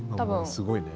すごいね。